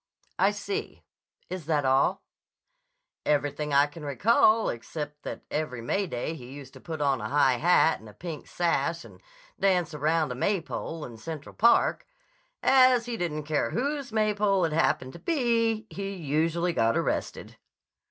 "I see. Is that all?" "Everything I can recall except that every May Day he used to put on a high hat and a pink sash and dance around a Maypole in Central Park. As he didn't care whose Maypole it happened to be, he usually got arrested."